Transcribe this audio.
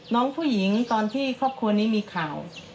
น้องผู้หญิงตอนที่ครอบครัวนี้มีข่าว